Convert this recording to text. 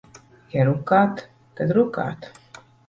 Ja rukāt, tad rukāt.